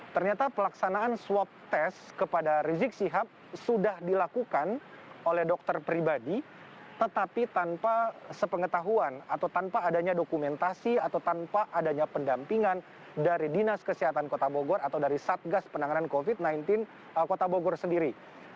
ternyata pelaksanaan swab test kepada rizik sihab sudah dilakukan oleh dokter pribadi tetapi tanpa sepengetahuan atau tanpa adanya dokumentasi atau tanpa adanya pendampingan dari dinas kesehatan kota bogor atau dari satgas penanganan covid sembilan belas kota bogor sendiri